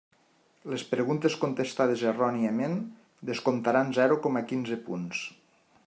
Les preguntes contestades erròniament descomptaran zero coma quinze punts.